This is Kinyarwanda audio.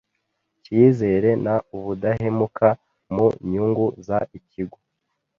cyizere n ubudahemuka mu nyungu z ikigo